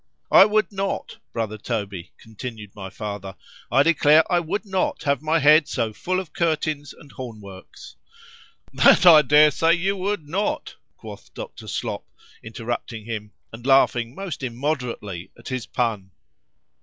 I would not, brother Toby, continued my father,——I declare I would not have my head so full of curtins and horn works.—That I dare say you would not, quoth Dr. Slop, interrupting him, and laughing most immoderately at his pun.